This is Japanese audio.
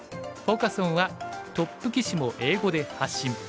フォーカス・オンは「トップ棋士も英語で発信！